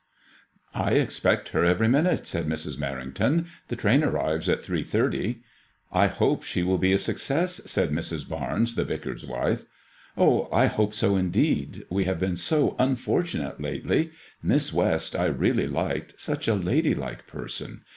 I. EXPECT her every minute," said Mrs. Merrington ;" the train arrives at 3.30." " I hope she will he a success," said Mrs. Barnes, the vicar's wife. " Oh, I hope so indeed ; wa have been so unfortuoate lately. Miss West I really liked ; such a ladylike person.